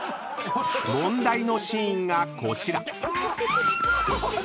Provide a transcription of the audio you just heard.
［問題のシーンがこちら］